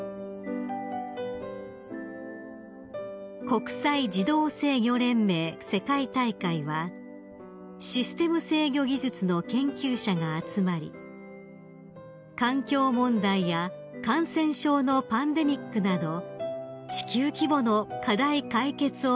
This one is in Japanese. ［国際自動制御連盟世界大会はシステム制御技術の研究者が集まり環境問題や感染症のパンデミックなど地球規模の課題解決を目指すものです］